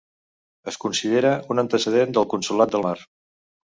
Es considera un antecedent del Consolat del Mar.